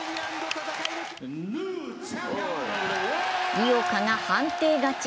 井岡が判定勝ち。